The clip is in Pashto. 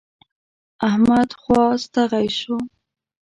احمد خوا ستغی شو.